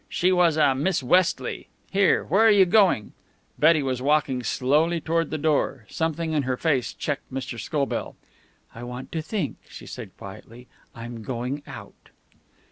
She was a Miss Westley. Here, where are you going?" Betty was walking slowly toward the door. Something in her face checked Mr. Scobell. "I want to think," she said quietly. "I'm going out."